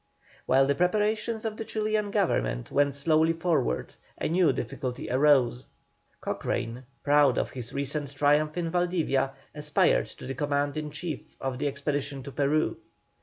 While the preparations of the Chilian Government went slowly forward a new difficulty arose. Cochrane, proud of his recent triumph in Valdivia, aspired to the command in chief of the expedition to Peru.